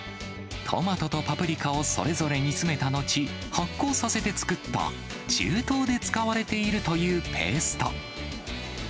トマトとパプリカをそれぞれ煮詰めた後、発酵させて作った中東で使われているというペースト。